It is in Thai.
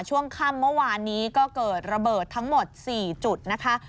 ช่วงค่ำเมื่อวานนี้ก็เกิดระเบิดทั้งหมด๔จุดนะคะ